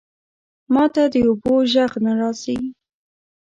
ماته د اوبو ژغ نه راځی